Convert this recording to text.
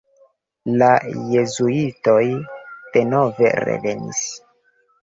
La jezuitoj denove revenis.